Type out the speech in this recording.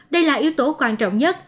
đây là yếu tố quan trọng nhất